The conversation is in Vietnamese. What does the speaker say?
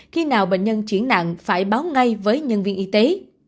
khi nào bệnh nhân triển nạn phải báo ngay với nhân viên y tế